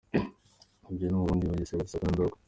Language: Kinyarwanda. Ibyo ni u Burundi, Bugesera, Gisaka na Ndorwa